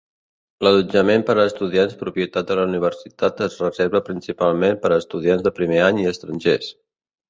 L'allotjament per a estudiants propietat de la universitat es reserva principalment per a estudiants de primer any i estrangers.